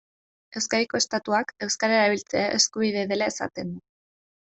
Euskadiko estatutuak euskara erabiltzea eskubidea dela esaten du.